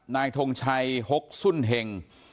นายทงชัยหกสุ่นเห็ง